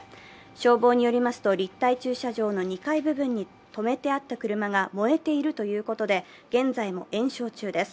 消防によりますと立体駐車場の２階部分に止めてあった車が燃えているということで、現在も延焼中です。